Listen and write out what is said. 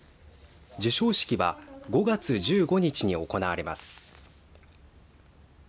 授賞式は５月１５日に行われます。